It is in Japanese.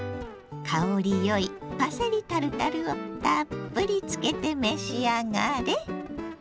香りよいパセリタルタルをたっぷりつけて召し上がれ。